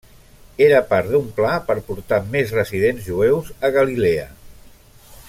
Era part d'un pla per portar més residents jueus a Galilea.